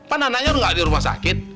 anaknya udah gak ada di rumah sakit